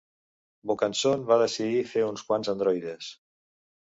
Vaucanson va decidir fer uns quants androides.